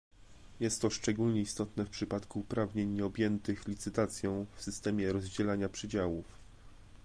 Jest to szczególnie istotne w przypadku uprawnień nieobjętych licytacją w systemie rozdzielania przydziałów